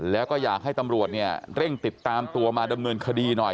แล้วก็อยากให้ตำรวจเนี่ยเร่งติดตามตัวมาดำเนินคดีหน่อย